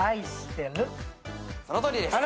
そのとおりです。